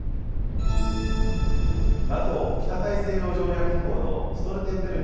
ＮＡＴＯ・北大西洋条約機構のストルテンベルグ